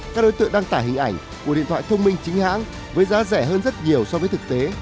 các đối tượng đăng tải hình ảnh của điện thoại thông minh chính hãng với giá rẻ hơn rất nhiều so với thực tế